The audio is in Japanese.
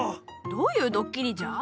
どういうドッキリじゃ？